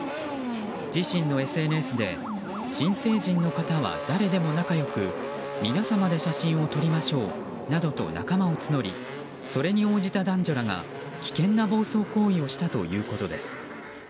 自信のＳＮＳで新成人の方は誰でも仲良く皆様で写真を撮りましょうと仲間を募りそれに応じた男女らが危険な暴走行為をしたということです。